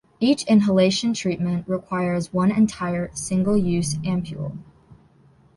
Each inhalation treatment requires one entire single-use ampule.